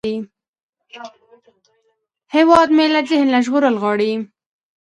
هیواد مې له جهل نه ژغورل غواړي